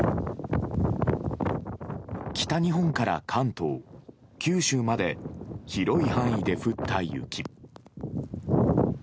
北日本から関東、九州まで広い範囲で降った雪。